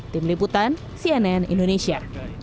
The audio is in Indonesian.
tim liputan cnn indonesia